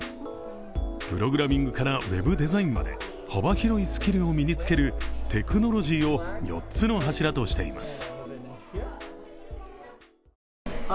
プログラミングからウェブデザインまで幅広いスキルを身に付けるテクノロジーを４つの柱としています。